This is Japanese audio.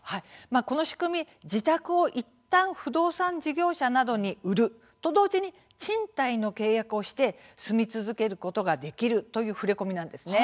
この仕組み、自宅をいったん不動産事業者などに売ると同時に賃貸の契約をして住み続けることができるという触れ込みなんです。